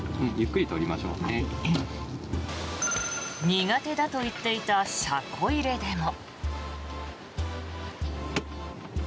苦手だと言っていた車庫入れでも。